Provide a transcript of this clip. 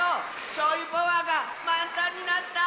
しょうゆパワーがまんタンになった！